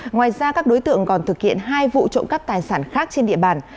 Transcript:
ngoài ra các đối tượng còn thực hiện hai vụ trộm cắp tài sản khác trên địa bàn